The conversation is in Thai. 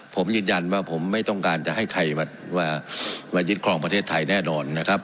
ผมยืนยันว่าผมไม่ต้องการจะให้ใครมายึดครองประเทศไทยแน่นอนนะครับ